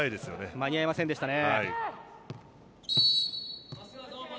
間に合いませんでしたね。